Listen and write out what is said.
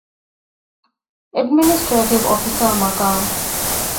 އެޑްމިނިސްޓްރޭޓިވް އޮފިސަރ މަޤާމު